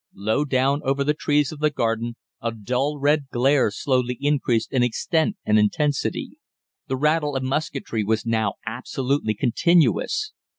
Low down over the trees of the garden a dull red glare slowly increased in extent and intensity. The rattle of musketry was now absolutely continuous.